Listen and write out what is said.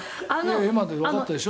「今のでわかったでしょ？